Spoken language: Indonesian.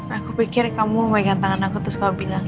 aku pikir kamu pegang tangan aku terus kau bilang